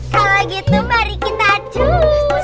kalau gitu mari kita adu